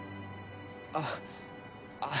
あっあぁ。